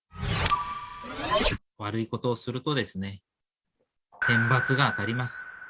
悪いことをすると天罰が当たります。